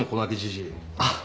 あっ。